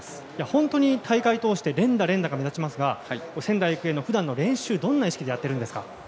本当に大会を通して連打、連打が目立ちますが仙台育英のふだんの練習はどんな意識でやっているんですか。